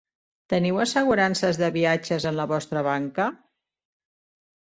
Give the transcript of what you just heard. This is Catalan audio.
Teniu assegurances de viatges en la vostra banca?